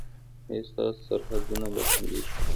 ایا ستاسو سرحدونه به خوندي شي؟